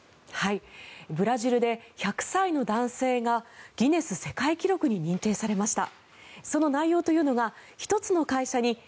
ブラジルで１００歳の男性がギネス世界記録に認定されました。